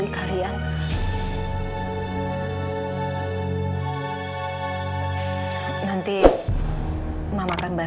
aku rasa dia bahkan entah apa